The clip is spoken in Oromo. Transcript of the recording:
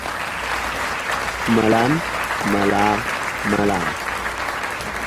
Malaan malaa malaasu.